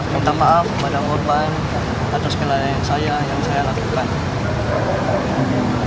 minta maaf kepada korban atas kelalaian saya yang saya lakukan